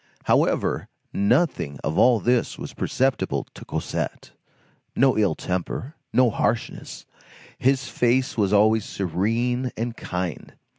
However, nothing of all this was perceptible to Cosette. No ill temper, no harshness. His face was always serene and kind.